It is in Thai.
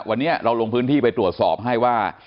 วันนี้เราลงพื้นที่ไปตรวจสอบให้ว่า